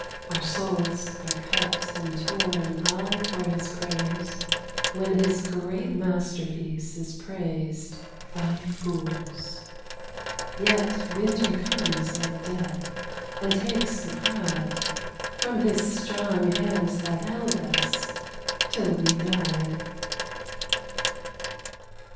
Our souls are cut and torn all for his praise When his great masterpiece is praised by fools ; Yet winter comes like death, and takes the pride From his strong hands that held us till we died.